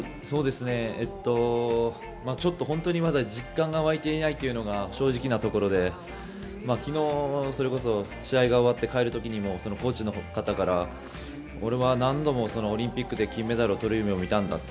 ちょっと本当に実感が湧いていないというのが正直なところで昨日、それこそ試合が終わって帰る時にもコーチの方から、俺は何度もオリンピックで金メダルをとる夢を見たんだと。